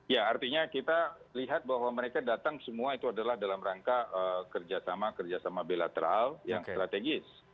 ya artinya kita lihat bahwa mereka datang semua itu adalah dalam rangka kerjasama kerjasama bilateral yang strategis